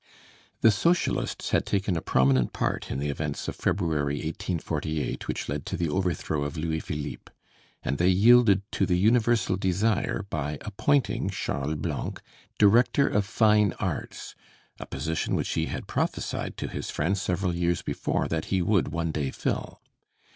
The Socialists had taken a prominent part in the events of February, 1848, which led to the overthrow of Louis Philippe; and they yielded to the universal desire by appointing Charles Blanc Director of Fine Arts a position which he had prophesied to his friends several years before that he would one day fill.